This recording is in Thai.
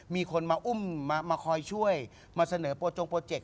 มีคนมาอุ้มมาคอยช่วยมาเสนอโปรจงโปรเจกต์